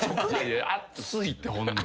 熱いってほんで。